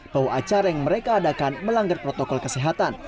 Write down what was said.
bahwa acara yang mereka adakan melanggar protokol kesehatan